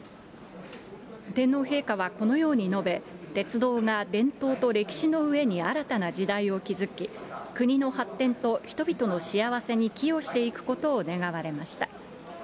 天皇陛下はこのように述べ、鉄道が伝統と歴史の上に新たな時代を築き、国の発展と人々の幸せに寄与していくことを願われました。